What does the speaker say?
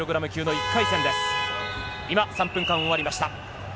今、３分間終わりました。